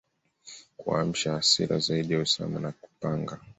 kuamsha hasira zaidi za Osama na kupanga